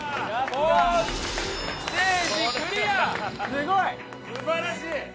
すごい！素晴らしい！